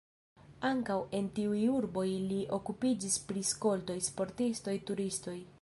Ankaŭ en tiuj urboj li okupiĝis pri skoltoj, sportistoj, turistoj.